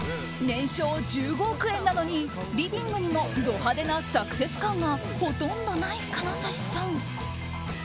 年商１５億円なのにリビングにもド派手なサクセス感がほとんどない金指さん。